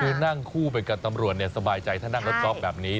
คือนั่งคู่ไปกับตำรวจสบายใจถ้านั่งรถก๊อฟแบบนี้